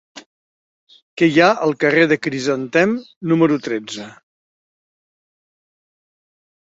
Què hi ha al carrer del Crisantem número tretze?